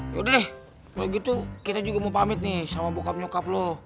yaudah deh kalau gitu kita juga mau pamit nih sama bokap nyokap lo